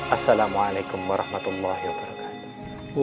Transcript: assalamualaikum warahmatullahi wabarakatuh